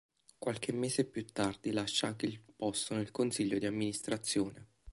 Qualche mese più tardi lascia anche il posto nel consiglio di amministrazione.